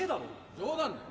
冗談だよ。